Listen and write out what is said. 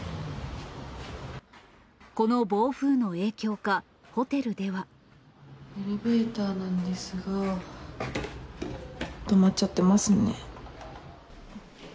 この暴風の影響か、ホテルでエレベーターなんですが、止まっちゃってますね。